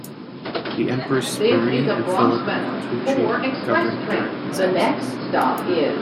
The empress Marie and Philip of Toucy governed during his absence.